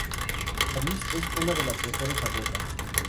Clarisse es una de las mejores abuelas.